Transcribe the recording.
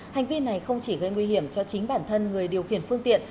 hành vi này không chỉ gây nguy hiểm cho chính bản thân người điều khiển phương tiện